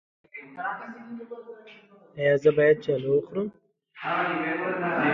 ایا زه باید چلو وخورم؟